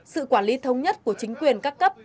sự quản lý thống nhất của chính quyền các cấp